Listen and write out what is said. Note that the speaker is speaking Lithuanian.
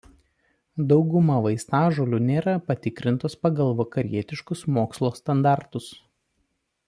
Dauguma vaistažolių nėra patikrintos pagal vakarietiškus mokslo standartus.